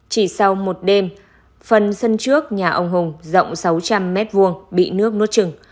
chỉ sau một đêm phần sân trước nhà ông hùng rộng sáu trăm linh m hai bị nước nốt trừng